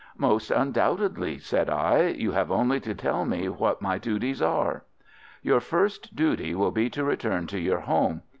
"Most undoubtedly," said I. "You have only to tell me what my duties are." "Your first duty will be to return to your home.